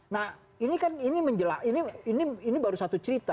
nah ini kan ini menjelakkan ini baru satu cerita